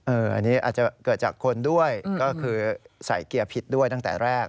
อันนี้อาจจะเกิดจากคนด้วยก็คือใส่เกียร์ผิดด้วยตั้งแต่แรก